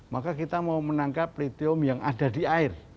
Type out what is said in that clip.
maka kita mau menangkap lithium yang ada di air